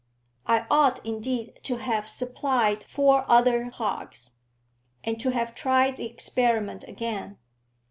I ought, indeed, to have supplied four other hogs, and to have tried the experiment again.